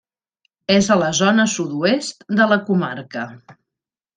És a la zona sud-oest de la comarca.